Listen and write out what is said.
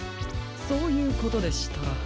そういうことでしたら。